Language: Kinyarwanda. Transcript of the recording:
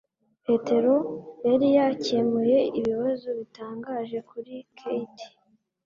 Petero yari yakemuye ibibazo bitangaje kuri Keith